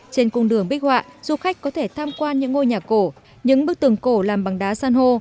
trên cung đường bích họa du khách có thể tham quan những ngôi nhà cổ những bức tường cổ làm bằng đá san hô